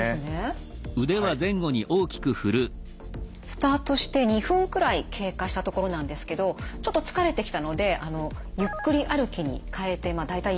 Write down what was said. スタートして２分くらい経過したところなんですけどちょっと疲れてきたのでゆっくり歩きに変えて大体１分ぐらい休みましたかね。